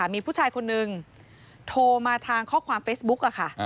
มีผู้ชายคนนึงโทรมาทางข้อความเฟซบุ๊กค่ะ